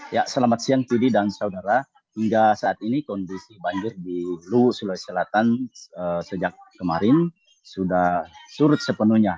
ya selamat siang yudi dan saudara hingga saat ini kondisi banjir di luwu sulawesi selatan sejak kemarin sudah surut sepenuhnya